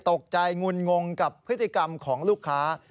ตกใจงุนงงกับพฤติกรรมของลูกค้า